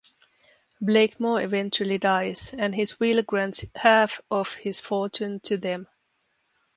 Blakemore eventually dies and his will grants half of his fortune to them.